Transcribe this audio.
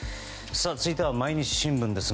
続いては毎日新聞です。